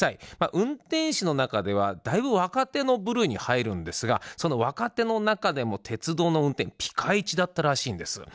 運転士の中ではだいぶ若手の部類に入るんですがその若手の中でも鉄道の運転がピカイチだったらしいんです。